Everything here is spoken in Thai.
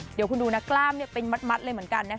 เดี๋ยวคุณดูนะกล้ามเป็นมัดเลยเหมือนกันนะคะ